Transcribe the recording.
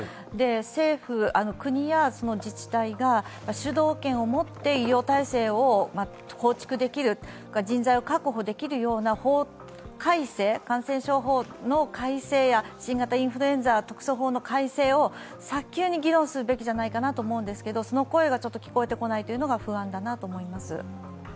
政府、国や自治体が主導権を持って医療体制を構築できる、人材を確保できるような感染症法の改正や、新型インフルエンザ特措法の改正を早急に議論するべきじゃないかと思うんですが、その声が聞こえてこないのが不安だなと思います。